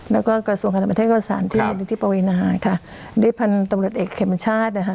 แล้วก็กระทรวงคณะประเทศก็สารที่มูลนิธิปวีนาค่ะด้วยพันธุ์ตำรวจเอกเขมชาตินะคะ